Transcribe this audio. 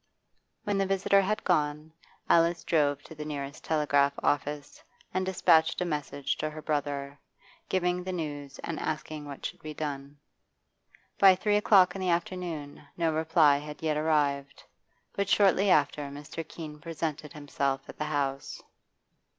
When the visitor had gone, Alice drove to the nearest telegraph office and despatched a message to her brother, giving the news and asking what should be done. By three o'clock in the afternoon no reply had yet arrived; but shortly after Mr. Keene presented himself at the house.